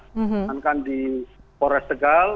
diamankan di polres tegal